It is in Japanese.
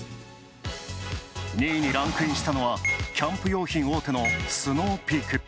２位にランクインしたのはキャンプ用品大手のスノーピーク。